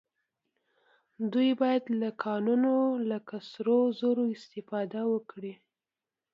دوی باید له کانونو لکه سرو زرو استفاده وکړي